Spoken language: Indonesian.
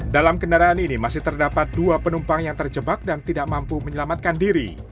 dalam kendaraan ini masih terdapat dua penumpang yang terjebak dan tidak mampu menyelamatkan diri